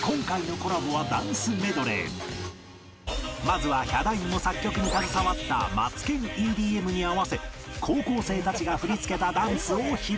まずはヒャダインも作曲に携わった『マツケン ＥＤＭ』に合わせ高校生たちが振り付けたダンスを披露